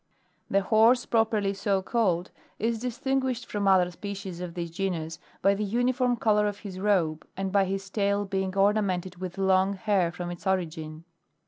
15. The Horse properly so ca lied is distinguished from other species of this genus by the uniform colour of his robe, and by his tail being ornamented with long hair from its origin.